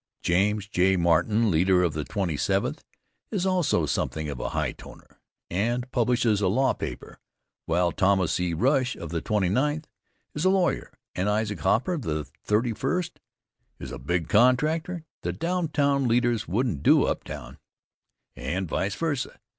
James J. Martin, leader of the Twenty seventh, is also something of a hightoner and publishes a law paper, while Thomas E. Rush, of the Twenty ninth, is a lawyer, and Isaac Hopper, of the Thirty first, is a big contractor. The downtown leaders wouldn't do uptown, and vice versa.